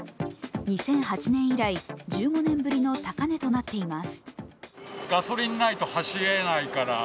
２００８年以来、１５年ぶりの高値となっています。